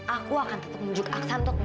aku akan tetep nunjuk aksan totohnya